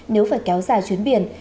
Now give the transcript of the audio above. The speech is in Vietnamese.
nếu phải kéo ra khỏi khu vực